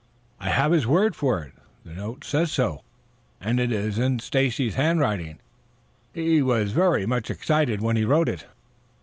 "I have his word for it. This note says so, and it is in Stacy's handwriting. He was very much excited when he wrote it."